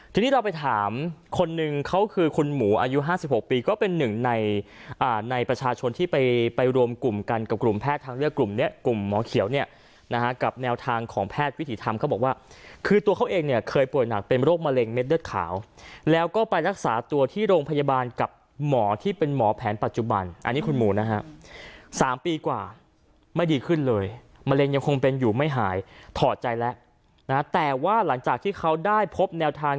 ทีนี้เราไปถามคนหนึ่งเขาคือคุณหมูอายุห้าสิบหกปีก็เป็นหนึ่งในในประชาชนที่ไปไปรวมกลุ่มกันกับกลุ่มแพทย์ทางเลือกกลุ่มเนี้ยกลุ่มหมอเขียวเนี้ยนะฮะกับแนวทางของแพทย์วิถีธรรมเขาบอกว่าคือตัวเขาเองเนี้ยเคยป่วยหนักเป็นโรคมะเร็งเม็ดเลือดขาวแล้วก็ไปรักษาตัวที่โรงพยาบาลกับหมอ